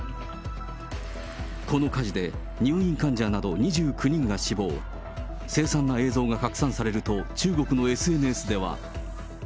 この火事で入院患者など２９人が死亡、凄惨な映像が拡散されると、中国のＳＮＳでは。